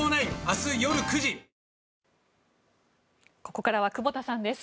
ここからは久保田さんです。